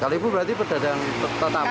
kalipu berarti pedagang tetap